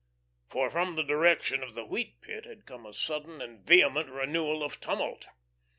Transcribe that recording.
For from the direction of the Wheat Pit had come a sudden and vehement renewal of tumult.